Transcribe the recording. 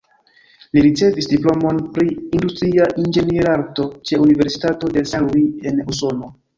Li ricevis diplomon pri industria inĝenierarto ĉe Universitato de Saint Louis en Usono.